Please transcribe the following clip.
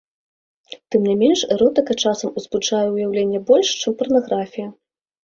Тым не менш эротыка часам узбуджае ўяўленне больш, чым парнаграфія.